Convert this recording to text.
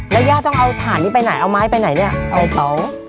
แล้วย่าต้องเอาถ่านนี้ไปไหนเอาไม้ไปไหนเนี่ยเอาเผา